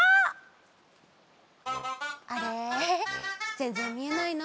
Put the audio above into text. ぜんぜんみえないな。